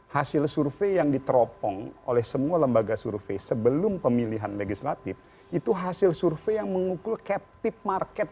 hasil survei yang diteropong oleh semua lembaga survei sebelum pemilihan legislatif itu hasil survei yang mengukul captive market